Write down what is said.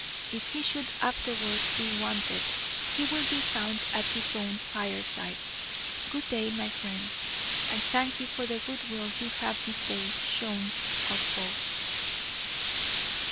If he should afterwards be wanted, he will be found at his own fireside. Good day, my friends. I thank you for the goodwill you have this day shown us both."